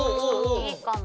いいかも。